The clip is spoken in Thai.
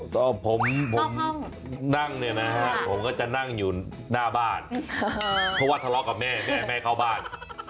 ก็ผมนั่งเนี่ยนะฮะผมก็จะนั่งอยู่หน้าบ้านเพราะว่าทะเลาะกับแม่แม่เข้าบ้าน